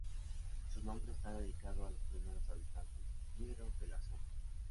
Su nombre está dedicado a los primeros habitantes íberos de la zona.